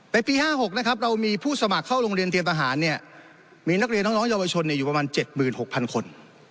ปี๕๖นะครับเรามีผู้สมัครเข้าโรงเรียนเตรียมทหารเนี่ยมีนักเรียนน้องเยาวชนอยู่ประมาณ๗๖๐๐คน